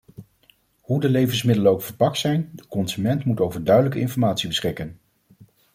Hoe de levensmiddelen ook verpakt zijn, de consument moet over duidelijke informatie beschikken.